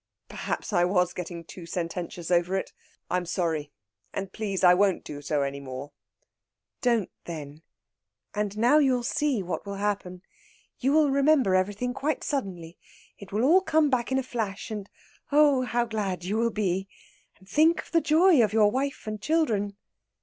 "Perhaps I was getting too sententious over it. I'm sorry, and please I won't do so any more." "Don't then. And now you'll see what will happen. You will remember everything quite suddenly. It will all come back in a flash, and oh, how glad you will be! And think of the joy of your wife and children!"